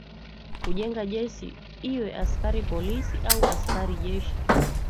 kujenga jeshi iwe askari polisi au askari jeshi